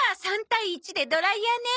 ３対１でドライヤーね。